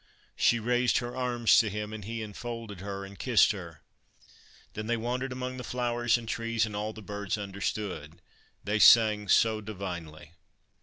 She raised her arms to him, and he enfolded her and kissed her. Then they wandered among the flowers and trees, and all the birds understood : they sang so divinely.